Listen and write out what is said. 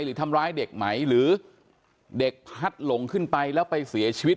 หรือทำร้ายเด็กไหมหรือเด็กพัดหลงขึ้นไปแล้วไปเสียชีวิต